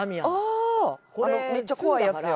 あああのめっちゃ怖いやつや。